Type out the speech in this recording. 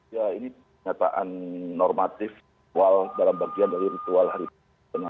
ya ini pernyataan normatif ritual dalam bagian dari ritual hari pers sebetulnya